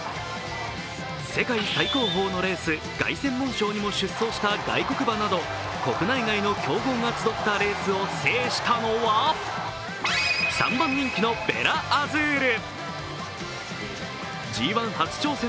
世界最高峰のレース、凱旋門賞にも出走した外国馬など国内外の強豪が集ったレースを制したのは、３番人気のヴェラアズール。